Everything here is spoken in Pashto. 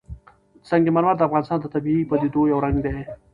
سنگ مرمر د افغانستان د طبیعي پدیدو یو رنګ دی.